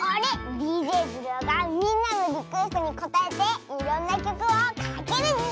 ＤＪズルオがみんなのリクエストにこたえていろんなきょくをかけるズル。